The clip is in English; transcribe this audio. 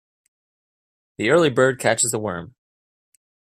The early bird catches the worm.